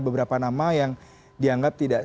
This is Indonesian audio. beberapa nama yang dianggap tidak